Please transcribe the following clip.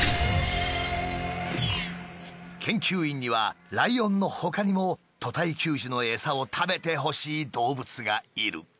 研究員にはライオンのほかにも屠体給餌のエサを食べてほしい動物がいる。